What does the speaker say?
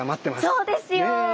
そうですよ！